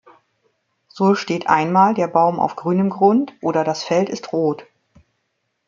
So steht einmal der Baum auf grünem Grund oder das Feld ist rot.